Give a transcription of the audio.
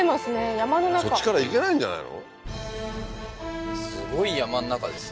山の中そっちから行けないんじゃないの？